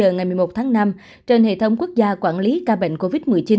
ngày một mươi một tháng năm trên hệ thống quốc gia quản lý ca bệnh covid một mươi chín